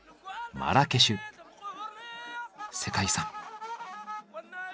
マラケシュ世界遺産。